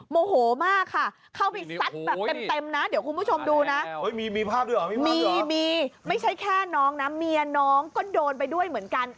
โมโหมากค่ะเข้าไปซัดแบบเต็มนะเดี๋ยวคุณผู้ชมดูนะมีภาพด้วยเหรอมีมีไม่ใช่แค่น้องนะเมียน้องก็โดนไปด้วยเหมือนกัน